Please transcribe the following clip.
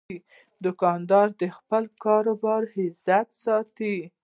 دوکاندار د خپل کاروبار عزت ساتي.